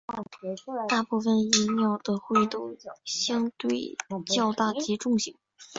大部份蚁鸟的喙都相对较大及重型。